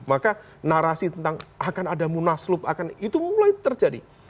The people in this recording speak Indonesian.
maka narasi tentang akan ada munaslub itu mulai terjadi